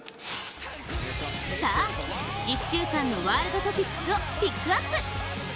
さあ、１週間のワールドトピックスをピックアップ。